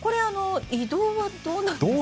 移動はどうなるんですかね。